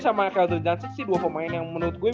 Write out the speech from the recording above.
sama kelton johnson sih dua pemain yang menurut gue